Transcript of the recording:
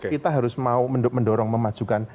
kita harus mau mendorong memajukan